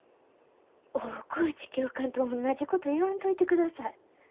大河内教官とおんなじこと言わんといてください。